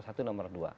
satu nomor dua